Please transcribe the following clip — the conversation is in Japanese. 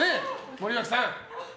森脇さん！